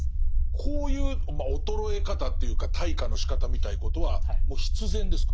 こういうまあ衰え方というか退化のしかたみたいなことはもう必然ですか？